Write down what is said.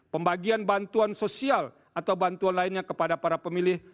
pembagian bantuan sosial atau bantuan lainnya kepada para pemilih